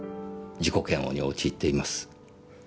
自己嫌悪に陥っています。